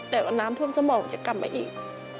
แต่ว่าน้ำท่วมสมองจะกลับมาอีก